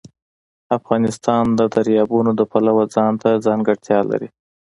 افغانستان د دریابونه د پلوه ځانته ځانګړتیا لري.